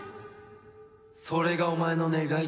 それがお前の願いか？